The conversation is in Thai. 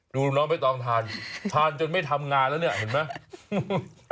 น้องไม่ต้องทานทานจนไม่ทำงานแล้วเนี่ยเห็นไหม